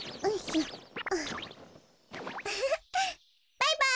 バイバイ！